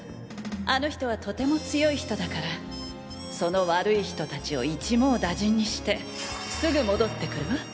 あの人はとても強い人だからその悪い人たちを一網打尽にしてすぐ戻ってくるわ。